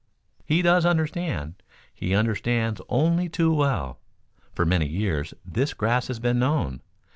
"He does understand. He understands only too well. For many years this grass has been known.